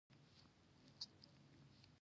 د څېړنیزو مرکزونو نشتون یو لامل دی.